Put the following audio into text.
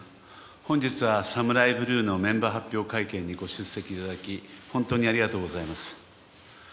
本日はＳＡＭＵＲＡＩＢＬＵＥのメンバー発表会見にご出席いただき本当にありがとうございます。